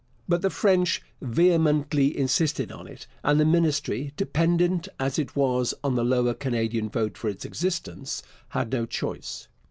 But the French vehemently insisted on it, and the Ministry, dependent as it was on the Lower Canadian vote for its existence, had no choice.